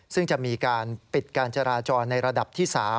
ซึ่งจะมีการปิดการจราจรในระดับที่๓